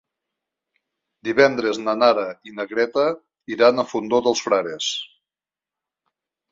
Divendres na Nara i na Greta iran al Fondó dels Frares.